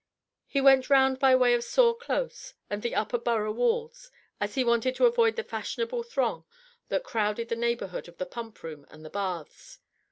He went round by way of Saw Close and the Upper Borough Walls, as he wanted to avoid the fashionable throng that crowded the neighbourhood of the Pump Room and the Baths.